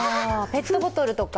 ペットボトルとか？